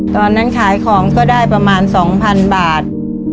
ตอนนั้นขายของก็ได้ประมาณ๒๐๐๐บาท